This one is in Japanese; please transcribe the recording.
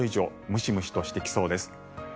ムシムシとしてきそうです。